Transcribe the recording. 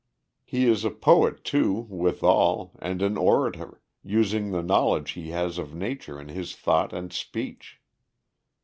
He is a poet, too, withal, and an orator, using the knowledge he has of nature in his thought and speech.